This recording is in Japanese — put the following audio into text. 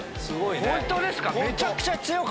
本当ですか